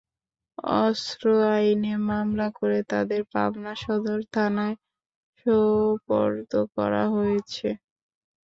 অস্ত্র আইনে মামলা করে তাঁদের পাবনা সদর থানায় সোপর্দ করা হয়েছে।